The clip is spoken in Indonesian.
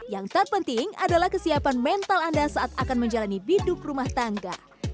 yang terpenting adalah kesiapan mental anda saat akan menjalani biduk rumah tangga